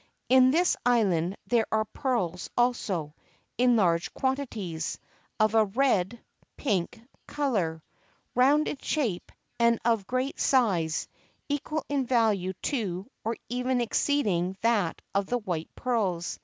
In this island there are pearls also, in large quantities, of a red (pink) color, round in shape, and of great size, equal in value to, or even exceeding that of the white pearls.